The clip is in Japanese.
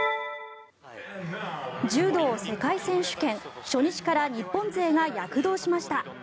柔道世界選手権初日から日本勢が躍動しました。